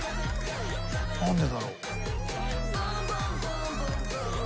何でだろう？